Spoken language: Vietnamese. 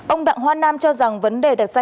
ông đặng hoa nam cho rằng vấn đề đặt ra